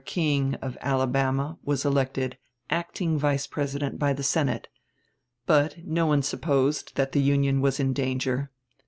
King, of Alabama, was elected acting Vice President by the Senate; but no one supposed that the Union was in danger.